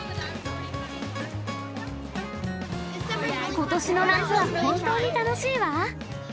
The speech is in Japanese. ことしの夏は本当に楽しいわ。